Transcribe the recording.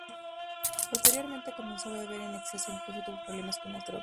Posteriormente, comenzó a beber en exceso e incluso tuvo problemas con las drogas.